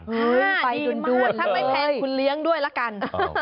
ถ้าไม่แพงคุณเลี้ยงด้วยละกัน